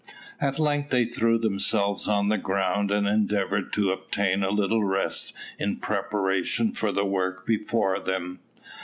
At length they threw themselves on the ground, and endeavoured to obtain a little rest in preparation for the work before them.